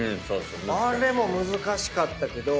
あれも難しかったけど。